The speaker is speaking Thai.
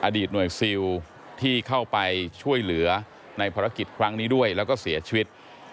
อดีตหน่วยซิลที่เข้าไปช่วยเหลือในภารกิจครั้งนี้ด้วยแล้วก็เสียชีวิต